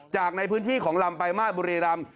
จากในพื้นที่ของลำไปมาบุรีลำ